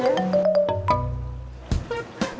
ya main pergi hilang gitu aja